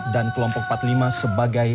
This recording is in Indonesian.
dan kelompok empat puluh lima sebagai